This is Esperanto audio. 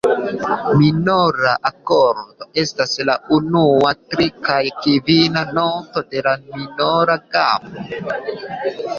Minora akordo estas la unua, tria kaj kvina noto de la minora gamo.